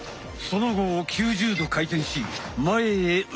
その後９０度回転し前へ受ける。